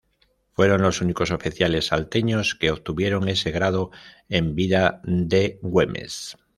Fueron los únicos oficiales salteños que obtuvieron ese grado en vida de Güemes.